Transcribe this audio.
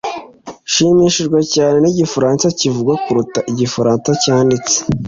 Nshimishijwe cyane nigifaransa kivugwa kuruta igifaransa cyanditse.